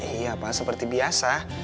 iya pak seperti biasa